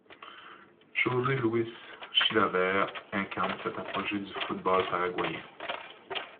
José Luis Chilavert incarne cet apogée du football paraguayen.